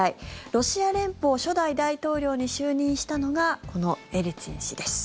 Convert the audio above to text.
ロシア連邦初代大統領に就任したのがこのエリツィン氏です。